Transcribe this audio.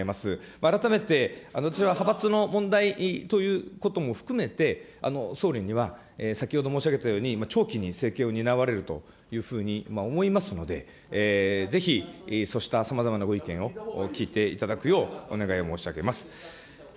改めて私は派閥の問題ということも含めて、総理には先ほど申し上げたように、長期に政権を担われるというふうに思いますので、ぜひ、そうしたさまざまなご意見を聞いていただくようお願いを申し上げます。